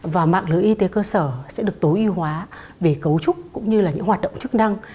và mạng lưới y tế cơ sở sẽ được tối ưu hóa về cấu trúc cũng như là những hoạt động chức năng